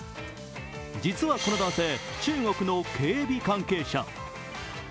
実はこの男性、中国の警備関係者。